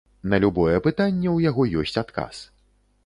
На любое пытанне ў яго ёсць адказ.